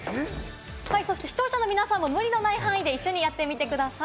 視聴者の皆さんも無理のない範囲で一緒にやってみてください。